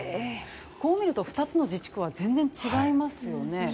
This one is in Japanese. こう見ると２つの自治区は全然違いますよね。